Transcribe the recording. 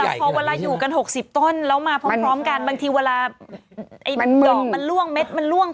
ว่าอยู่กันหกสิบต้นแล้วมาพร้อมพร้อมกันบางทีเวลามันล่วงเม็ดมันล่วง